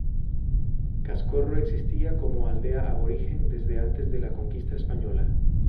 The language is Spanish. Cascorro existía como aldea aborigen desde antes de la conquista española.